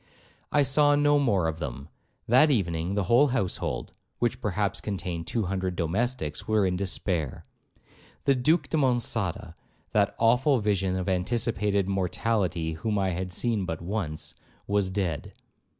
'I saw no more of them,—that evening the whole household, which perhaps contain two hundred domestics, were in despair. The Duke de Monçada, that awful vision of anticipated mortality whom I had seen but once, was dead.